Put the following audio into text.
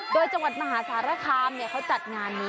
โดยจังหวัดมหาสารคามเขาจัดงานนี้